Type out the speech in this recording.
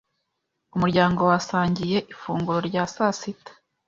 Umuryango wasangiye ifunguro rya saa sita.